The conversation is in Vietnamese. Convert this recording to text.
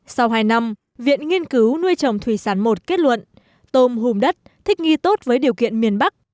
sau hai năm viện nghiên cứu nuôi trồng thủy sản i kết luận tôm hùm đất thích nghi tốt với điều kiện miền bắc